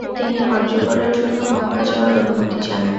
তিনি হজ্জ করার জন্য মক্কা যাওয়ার অনুমতি চান।